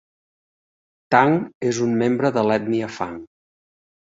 Tang és un membre de l'ètnia fang.